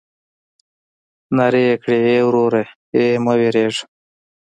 نارې يې کړې ای وروره ای مه وېرېږه.